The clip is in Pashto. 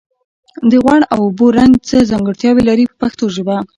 د غوړ او اوبو رنګ څه ځانګړتیاوې لري په پښتو ژبه.